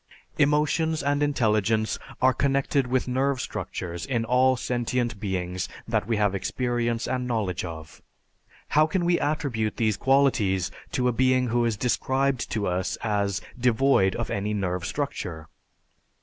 Emotions and intelligence are connected with nerve structures in all sentient beings that we have experience and knowledge of. How can we attribute these qualities to a being who is described to us as devoid of any nerve structure?